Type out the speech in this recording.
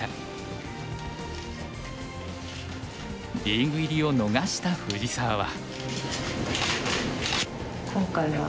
リーグ入りを逃した藤沢は。